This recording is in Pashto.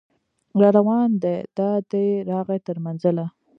راروان دی دا دی راغی تر منزله